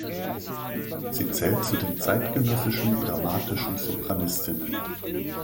Sie zählt zu den zeitgenössischen dramatischen Sopranistinnen.